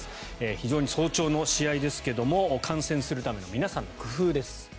非常に早朝の試合ですが観戦するための皆さんの工夫です。